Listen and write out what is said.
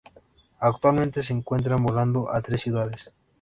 Actualmente se encuentran volando a tres ciudades.